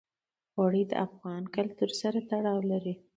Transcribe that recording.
اوړي د افغان کلتور سره تړاو لري.